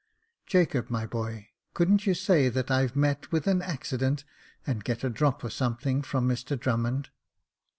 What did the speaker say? Jacob, my boy, couldn't you say that I've met with an accident, and get a drop of something from Mr Drummond